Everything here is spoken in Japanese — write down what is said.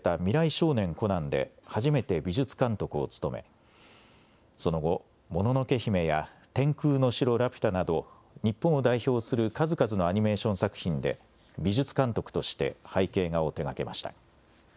少年コナンで初めて美術監督を務めその後、もののけ姫や天空の城ラピュタなど日本を代表する数々のアニメーション作品で美術監督として背景画を手がけました。